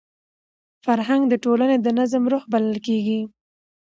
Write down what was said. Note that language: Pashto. فرهنګ د ټولني د نظم روح بلل کېږي.